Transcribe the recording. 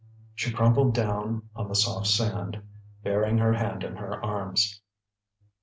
She crumpled down on the soft sand, burying her head in her arms.